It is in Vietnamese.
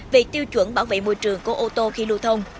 về tiêu chuẩn bảo vệ môi trường của ô tô khi lưu thông